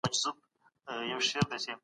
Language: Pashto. لس او اووه؛ اوولس کېږي.